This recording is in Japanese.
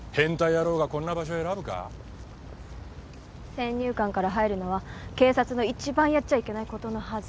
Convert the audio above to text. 先入観から入るのは警察の一番やっちゃいけない事のはず。